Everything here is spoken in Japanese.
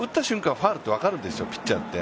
ファウルって分かるんですよ、ピッチャーって。